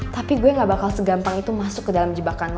tapi gue gak bakal segampang itu masuk ke dalam jebakanmu